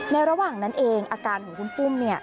ระหว่างนั้นเองอาการของคุณปุ้ม